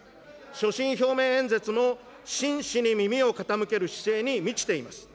所信表明演説も、真摯に耳を傾ける姿勢に満ちています。